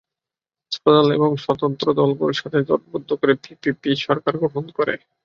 ছোট দল এবং স্বতন্ত্র দলগুলোর সাথে জোটবদ্ধ করে পিপিপি সরকার গঠন করে।